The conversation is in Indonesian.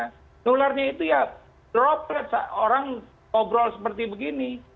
penyakit penularnya itu ya drop rate orang ngobrol seperti begini